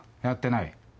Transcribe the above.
やってない？